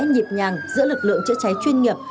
nhịp nhàng giữa lực lượng chữa cháy chuyên nghiệp